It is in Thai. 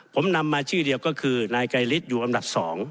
ผมนำมาชื่อเดียวก็คือนายไกรฤทธิอยู่อันดับ๒